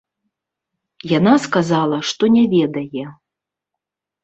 Яна сказала, што не ведае.